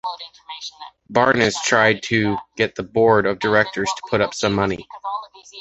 Barnes tried to get the board of directors to put up some money.